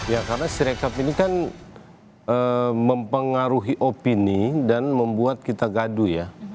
ya karena sirekap ini kan mempengaruhi opini dan membuat kita gaduh ya